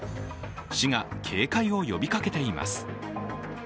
市が警戒を呼びかけています。